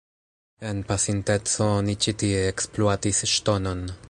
En pasinteco oni ĉi tie ekspluatis ŝtonon.